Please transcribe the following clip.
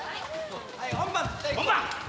本番！